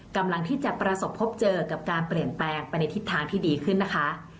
กำลังที่จะประสบพบเจอกับการเปลี่ยนแปลงไปในทิศทางที่ดีขึ้นนะคะ